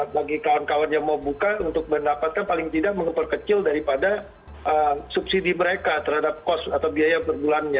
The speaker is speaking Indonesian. bagi kawan kawan yang mau buka untuk mendapatkan paling tidak mengempur kecil daripada subsidi mereka terhadap kos atau biaya berbulannya